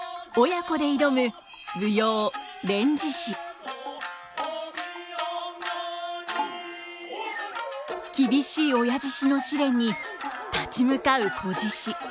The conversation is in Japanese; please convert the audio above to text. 親子で挑む厳しい親獅子の試練に立ち向かう仔獅子。